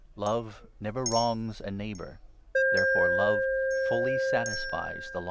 Love never wrongs a neighbour. Therefore Love fully satisfies 10 the Law.